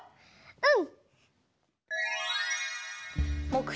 うん！